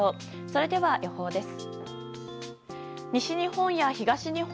それでは予報です。